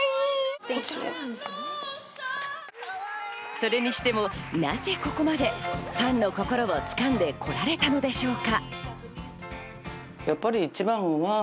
それにしても、なぜここまでファンの心をつかんでこられたのでしょうか。